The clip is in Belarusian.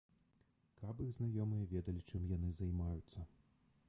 Каб іх знаёмыя ведалі, чым яны займаюцца.